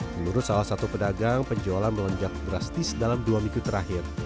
menurut salah satu pedagang penjualan melonjak drastis dalam dua minggu terakhir